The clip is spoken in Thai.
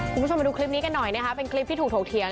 คุณผู้ชมมาดูคลิปนี้กันหน่อยนะคะเป็นคลิปที่ถูกถกเถียง